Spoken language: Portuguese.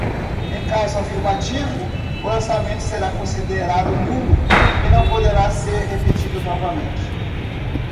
Em caso afirmativo, o lançamento será considerado nulo e não poderá ser repetido novamente.